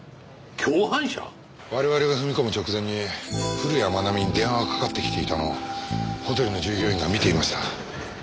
我々が踏み込む直前に古谷愛美に電話がかかってきていたのをホテルの従業員が見ていました。